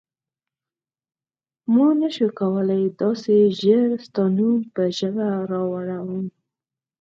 ما نه شو کولای داسې ژر ستا نوم په ژبه راوړم.